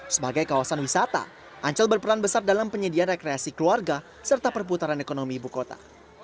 sebagai kawasan wisata ancol berperan besar dalam penyediaan rekreasi keluarga serta perputaran ekonomi ibu kota